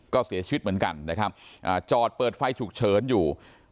ก็เสียชีวิตเหมือนกันนะครับจอดเปิดไฟฉุกเฉินอยู่